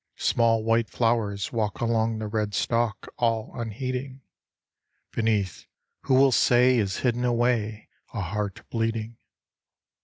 Small white flowers walk Along the red stalk All unheeding ; Beneath, who will say Is hidden away A heart bleeding